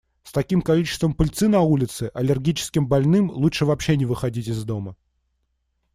С таким количеством пыльцы на улице, аллергическим больным лучше вообще не выходить из дома.